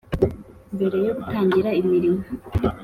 mbere yo gutangira imirimo,